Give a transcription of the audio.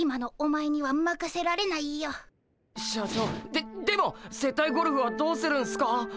ででも接待ゴルフはどうするんすか？